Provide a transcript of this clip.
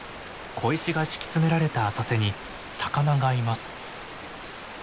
小石が敷き詰められた浅瀬に魚がいます。